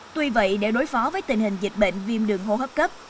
tuy vậy để đối phó với tình hình dịch bệnh viêm đường hô hấp cấp